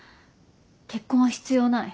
結婚は必要ない。